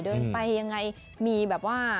เดินไปยังไงมีแบบว่า